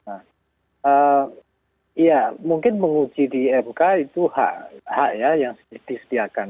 iya mungkin menguji di mk itu hak yang disediakan